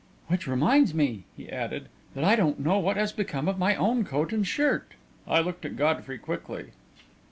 "Which reminds me," he added, "that I don't know what has become of my own coat and shirt." I looked at Godfrey quickly.